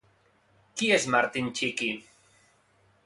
Qui és Martin Txiki?